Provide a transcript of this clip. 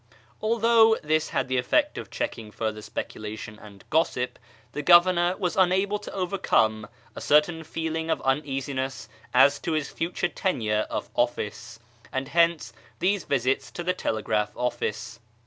Although this had the effect of checking further speculation and gossip, the Governor was unable to overcome a certain feeling of uneasiness as to his future tenure of office, and hence these visits to the telegraph oftice.